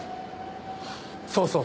そうそう。